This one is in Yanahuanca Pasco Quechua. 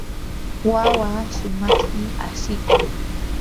wawaa shumaqmi asikun.